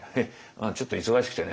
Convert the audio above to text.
「ちょっと忙しくてね。